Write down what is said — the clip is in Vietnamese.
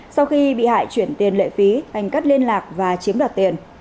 sau khi bị hại chuyển tiền lệ phí thành cắt liên lạc và chiếm đoạt tiền